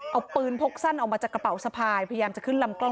เอาปืนพกสั้นออกมาจากกระเป๋าสะพายพยายามจะขึ้นลำกล้อง